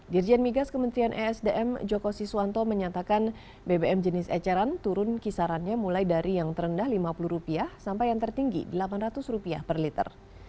dirjen migas kementerian esdm joko siswanto menyatakan bbm jenis eceran turun kisarannya mulai dari yang terendah rp lima puluh sampai yang tertinggi rp delapan ratus per liter